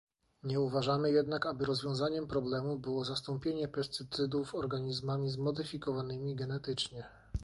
Nie uważamy jednak, aby rozwiązaniem problemu było zastąpienie pestycydów organizmami zmodyfikowanymi genetycznie